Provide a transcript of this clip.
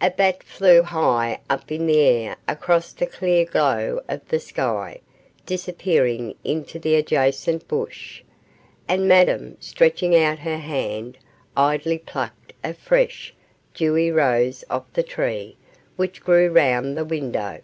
A bat flew high up in the air across the clear glow of the sky, disappearing into the adjacent bush, and Madame, stretching out her hand, idly plucked a fresh, dewy rose off the tree which grew round the window.